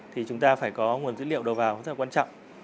thì chúng ta phải có nguồn dữ liệu đầu vào rất là quan trọng